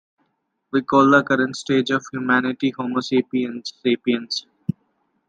We call the current stage of humanity homo sapiens sapiens.